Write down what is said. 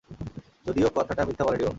যদিও কথাটা মিথ্যা বলেনি ও!